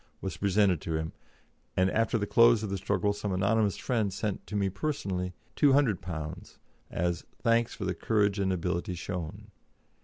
was presented to him, and after the close of the struggle some anonymous friend sent to me personally £200 as "thanks for the courage and ability shown."